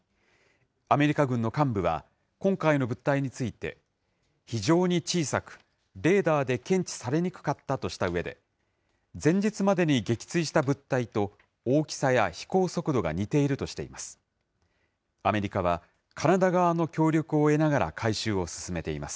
アメリカ軍の幹部は、今回の物体について、非常に小さく、レーダーで検知されにくかったとしたうえで、前日までに撃墜した物体と大きさや飛行速度が似ているとしています。